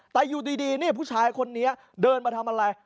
แต่อยู่ดีผู้ชายคนนี้เดินมาทำอะไร